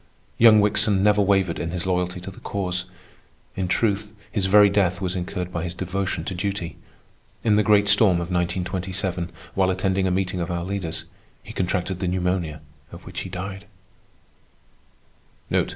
Young Wickson never wavered in his loyalty to the Cause. In truth, his very death was incurred by his devotion to duty. In the great storm of 1927, while attending a meeting of our leaders, he contracted the pneumonia of which he died.